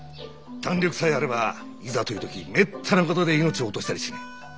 胆力さえあればいざという時めったなことで命を落としたりしねえ。